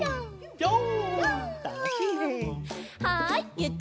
ぴょん！